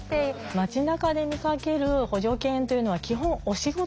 街なかで見かける補助犬というのは基本お仕事中です。